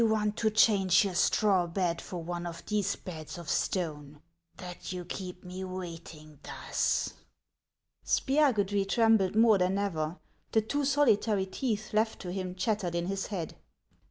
69 want to change your straw bed for one of these beds of stone, that you keep me waiting thus ?" Spiagudry trembled more than ever; the two solitary teeth left to him chattered in his head.